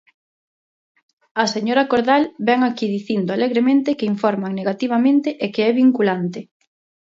A señora Cordal vén aquí dicindo alegremente que informan negativamente e que é vinculante.